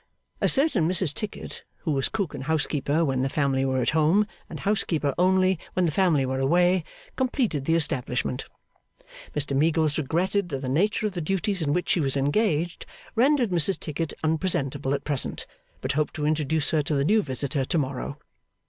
A certain Mrs Tickit, who was Cook and Housekeeper when the family were at home, and Housekeeper only when the family were away, completed the establishment. Mr Meagles regretted that the nature of the duties in which she was engaged, rendered Mrs Tickit unpresentable at present, but hoped to introduce her to the new visitor to morrow.